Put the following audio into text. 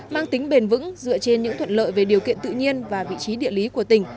mang tính bền vững dựa trên những thuận lợi về điều kiện tự nhiên và vị trí địa lý của tỉnh